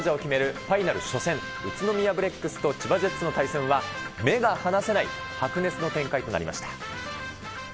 ファイナル初戦、宇都宮ブレックスと千葉ジェッツの対戦は、目が離せない白熱の展開となりました。